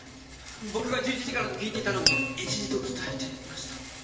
僕が１１時からと聞いていたのに１時と伝えてました。